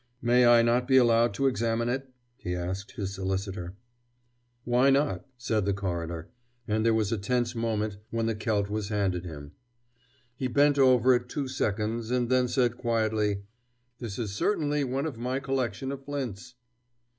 "May I not be allowed to examine it?" he asked his solicitor. "Why not?" said the coroner, and there was a tense moment when the celt was handed him. He bent over it two seconds, and then said quietly: "This is certainly one of my collection of flints!"